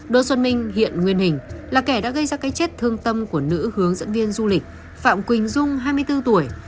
đỗ xuân minh hiện nguyên hình là kẻ đã gây ra cái chết thương tâm của nữ hướng dẫn viên du lịch phạm quỳnh dung hai mươi bốn tuổi